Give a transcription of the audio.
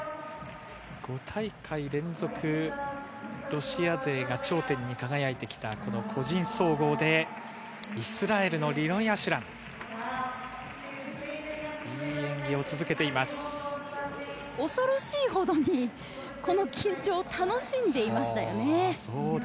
５大会連続、ロシア勢が頂点に輝いてきた個人総合でイスラエルのリノイ・アシ恐ろしいほどにこの緊張を楽しんでいましたよね。